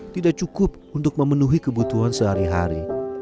tidak cukup untuk memenuhi kebutuhan sehari hari